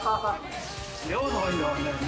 量の多いのはね